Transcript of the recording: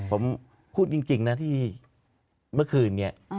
ผมพูดจริงนะที่เมื่อคืนนี้